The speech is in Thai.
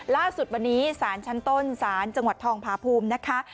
ล่าสุดวันนี้สารชั้นต้นศาลจังหวัดทองพาภูมินะคะ